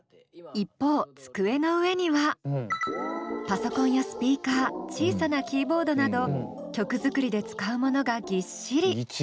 パソコンやスピーカー小さなキーボードなど曲作りで使うものがぎっしり。